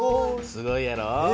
すごいやろ？え⁉